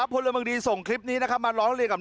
ผู้โลยบังดีส่งคลิปนี้มาร้องเรียนกับ